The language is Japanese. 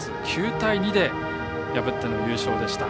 ９対２で破っての優勝でした。